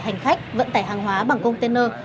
hành khách vận tải hàng hóa bằng container